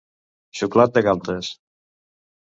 Xuclat de galtes.